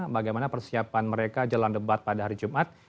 bagaimana persiapan mereka jalan debat pada hari jumat